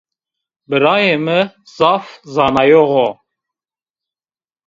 Birayê mi zaf zanayox o